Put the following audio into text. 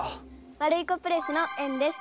ワルイコプレスのえんです。